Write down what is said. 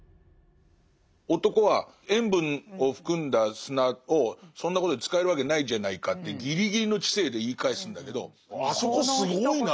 男は塩分を含んだ砂をそんなことに使えるわけないじゃないかってギリギリの知性で言い返すんだけどあそこすごいなと思って。